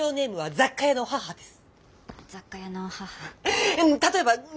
雑貨屋の母です！